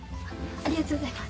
ありがとうございます。